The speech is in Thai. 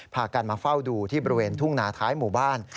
พากันมาเฝ้าดูที่บริเวณทุ่งนาท้ายหมู่บ้าน